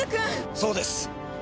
そうです！